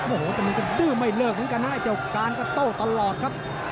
โอโหแต่มันก็ดื้อไม่เลิกเลยนะไอ้เจ้ากรานก้าโต้ตลอดครับ